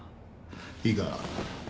いいか？